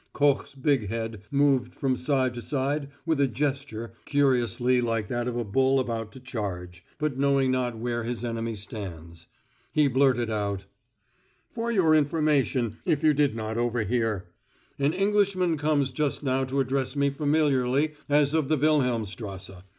Koch's big head moved from side to side with a gesture curiously like that of a bull about to charge, but knowing not where his enemy stands. He blurted out: "For your information, if you did not overhear: An Englishman comes just now to address me familiarly as of the Wilhelmstrasse.